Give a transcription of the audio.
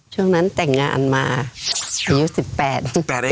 ช่วงนั้นแต่งงานมาอายุสิบแปด